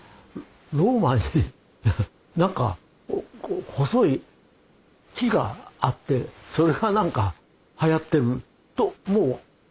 ローマに何か細い木があってそれがなんかはやってるともう私は思ったわけ。